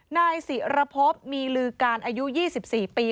นายศิรพบมีลือการอายุ๒๔ปี